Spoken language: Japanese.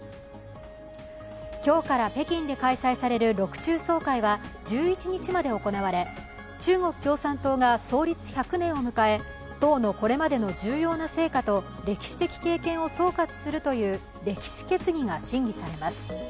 今日から北京で開催される六中総会は１１日まで行われ中国共産党が創立１００年を迎え党のこれまでの重要な成果を歴史的経験を総括するという歴史決議が審議されます。